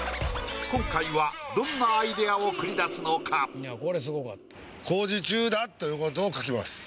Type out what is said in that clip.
今回はどんなアイデアを繰り出すのか？ということを描きます。